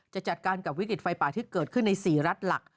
จะจัดการกับวิกฤตไฟป่าที่เกิดขึ้นใน๔รัฐหลัก